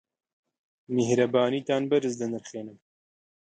میهرەبانیتان بەرز دەنرخێنم.